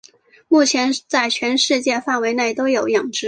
目前在全世界范围内都有养殖。